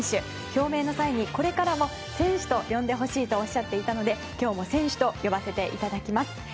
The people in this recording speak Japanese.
表明の際にこれからも選手と呼んでほしいとおっしゃっていたので、今日も選手と呼ばせていただきます。